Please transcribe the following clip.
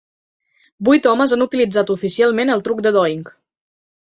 Vuit homes han utilitzat oficialment el truc de Doink.